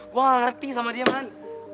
gua gak ngerti sama dia man